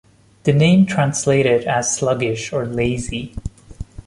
The name translated as sluggish or lazy.